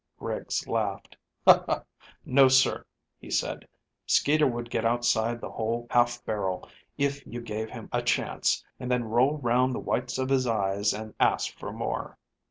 Griggs laughed. "No, sir," he said. "Skeeter would get outside the whole half barrel if you gave him a chance, and then roll round the whites of his eyes and ask for more."